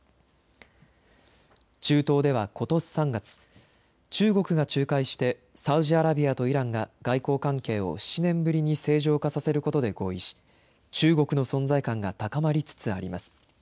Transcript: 中東ではことし３月、中国が仲介してサウジアラビアとイランが外交関係を７年ぶりに正常化させることで合意し中国の存在感が高まりつつあります。